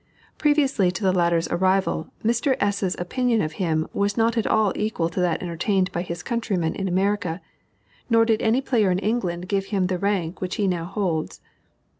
Previously to the latter's arrival, Mr. S.'s opinion of him was not at all equal to that entertained by his countrymen in America, nor did any player in England give him the rank which he now holds.